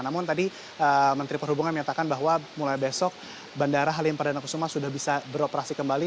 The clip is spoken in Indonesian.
namun tadi menteri perhubungan menyatakan bahwa mulai besok bandara halim perdana kusuma sudah bisa beroperasi kembali